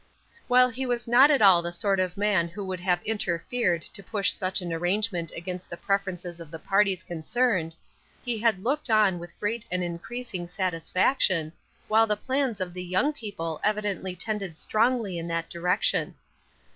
While he was not at all the sort of man who would have interfered to push such an arrangement against the preferences of the parties concerned, he had looked on with great and increasing satisfaction, while the plans of the young people evidently tended strongly in that direction.